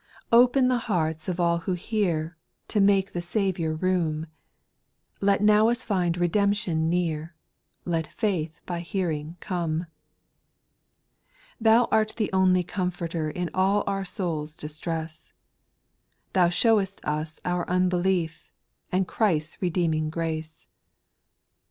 Open the hearts of all who hear, To make the Saviour room ; Now let us find redemption near, Let faith by hearing come. 3. Thou art the only Comforter In all our souPs distress ; Thou showest us our unbelief, And Christ's redeeming grace. 4.